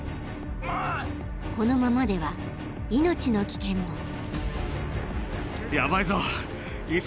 ［このままでは命の危険も］